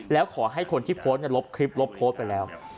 แล้วขอให้คนที่โพสต์ลบคลิปลบโพสต์ไปแล้ว